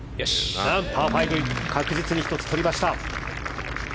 パー５、確実に１つ取りました。